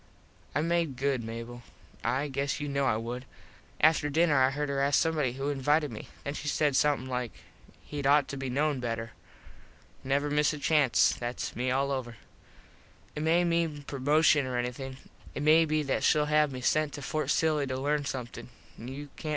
I made good, Mable. I guess you kno I would. After dinner I heard her ask somebody who invited me. Then she said somethin like "Hed ought to be known better." Never miss a chance. Thats me all over. It may mean promoshun or anything. It may be that shell have me sent to Fort Silly to learn somethin. You cant tell.